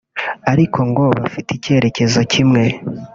ariko ngo bafite icyerekezo kimwe